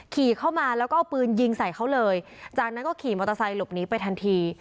ขี่เข้ามาแล้วก็เอาปืนยิงใส่เขาเลยจากนั้นก็ขี่มอเตอร์ไซค์หลบหนีไปทันที